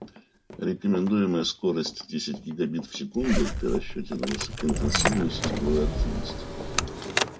Рекомендуемая скорость десять гигабит в секунду при расчете на высокоинтенсивную сетевую активность